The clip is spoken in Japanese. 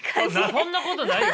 そんなことないよ